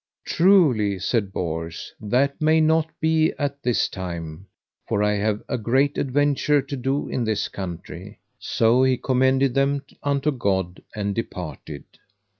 Truly, said Bors, that may not be at this time, for I have a great adventure to do in this country. So he commended them unto God and departed.